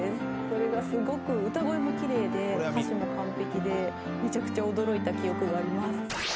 それがすごく歌声も奇麗で歌詞も完璧でめちゃくちゃ驚いた記憶があります。